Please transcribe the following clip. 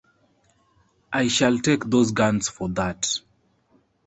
I shall take those guns for that!